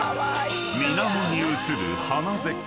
［水面に映る花絶景］